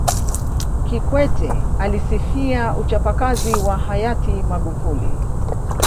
Kikwete alisifia uchapakazi wa Hayati Magufuli